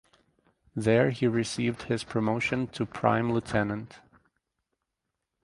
There he received his promotion to prime lieutenant.